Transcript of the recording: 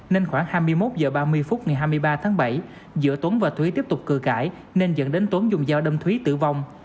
nên khoảng hai mươi một h ba mươi phút ngày hai mươi ba tháng bảy giữa tuấn và thúy tiếp tục cử cãi nên dẫn đến tuấn dùng dao đâm thúy tử vong